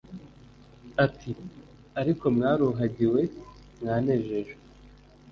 ati: “Ariko mwaruhagiwe, mwanejejwe,